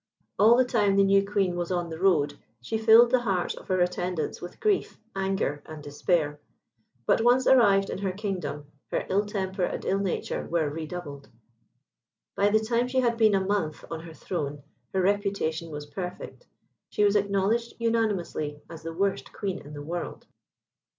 All the time the new Queen was on the road she filled the hearts of her attendants with grief, anger, and despair. But once arrived in her kingdom, her ill temper and ill nature were redoubled. By the time she had been a month on her throne her reputation was perfect. She was acknowledged unanimously as the worst Queen in the world.